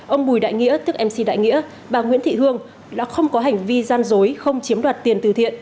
ông bùi đại nghĩa tức mc đại nghĩa bà nguyễn thị hương đã không có hành vi gian dối không chiếm đoạt tiền từ thiện